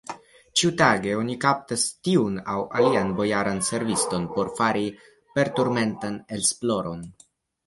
Ĉiutage oni kaptas tiun aŭ alian bojaran serviston por fari perturmentan esploron.